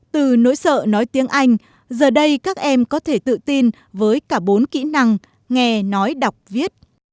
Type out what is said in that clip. từ nỗi sợ nói tiếng anh giờ đây các em có thể tự tin với cả bốn kỹ năng nghe nói đọc viết